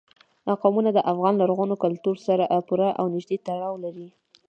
قومونه د افغان لرغوني کلتور سره پوره او نږدې تړاو لري.